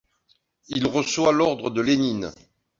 Il reçoit l'ordre de Lénine.